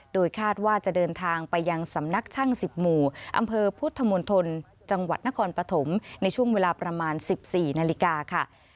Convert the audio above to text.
โดยคาดว่าจะเดินทางไปยังสำนักช่าง๑๐หมู่อำเภอพุทธมณฑลจังหวัดนครปฐมในช่วงเวลาประมาณ๑๔นาฬิกาค่ะ